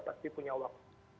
pasti punya waktu